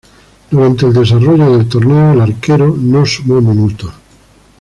Durante el desarrollo del torneo, el arquero no sumó minutos.